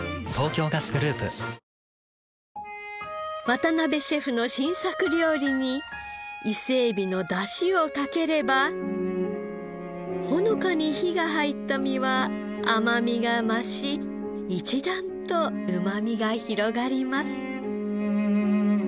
渡辺シェフの新作料理に伊勢エビの出汁をかければほのかに火が入った身は甘みが増し一段とうまみが広がります。